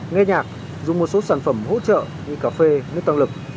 nghe nhạc dùng một số sản phẩm hỗ trợ như cà phê nước tăng lực